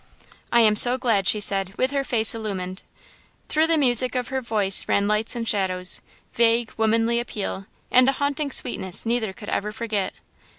"I am so glad," she said, with her face illumined. Through the music of her voice ran lights and shadows, vague, womanly appeal, and a haunting sweetness neither could ever forget.